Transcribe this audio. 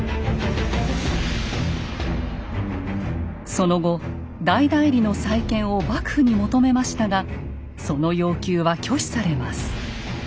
その後大内裏の再建を幕府に求めましたがその要求は拒否されます。